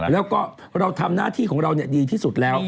แล้วก็เราทำหน้าที่ของเราดีที่สุดแล้ว